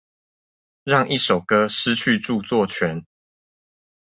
讓一首歌失去著作權